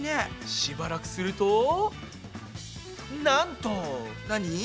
しばらくするとなんと！何？